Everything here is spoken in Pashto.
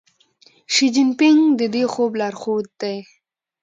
شي جین پینګ د دې خوب لارښود دی.